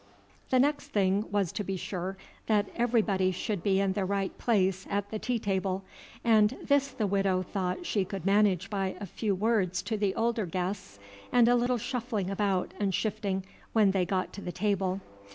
The next thing was to be sure that everybody should be in the right place at the tea table, and this the Widow thought she could manage by a few words to the older guests and a little shuffling about and shifting when they got to the table.